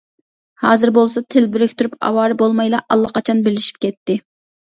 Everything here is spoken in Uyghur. ھازىر بولسا تىل بىرىكتۈرۈپ ئاۋارە بولمايلا ئاللىقاچان بىرلىشىپ كەتتى.